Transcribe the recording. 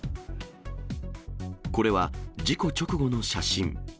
これは事故直後の写真。